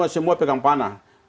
semua pegang panah